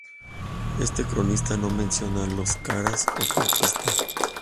Este cronista no menciona a los caras o su conquista.